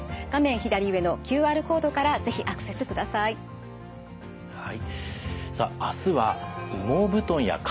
左上のＱＲコードから是非アクセスください。